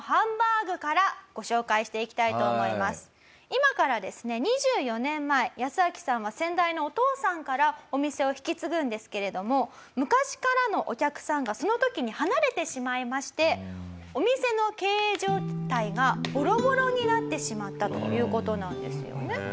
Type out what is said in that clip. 今からですね２４年前ヤスアキさんは先代のお父さんからお店を引き継ぐんですけれども昔からのお客さんがその時に離れてしまいましてお店の経営状態がボロボロになってしまったという事なんですよね。